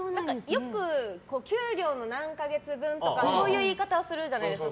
よく、給料の何か月分とかそういう言い方はするじゃないですか。